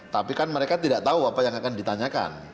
tapi kan mereka tidak tahu apa yang akan ditanyakan